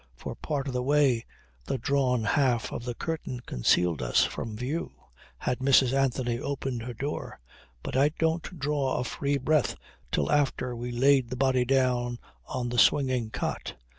For part of the way the drawn half of the curtain concealed us from view had Mrs. Anthony opened her door; but I didn't draw a free breath till after we laid the body down on the swinging cot.